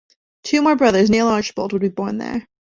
Two more brothers, Neal and Archibald, would be born there.